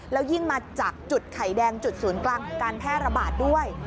แล้วยิ่งมาจากจุดไข่แดงจุดศูนย์กลางของการแพร่ระบาดด้วย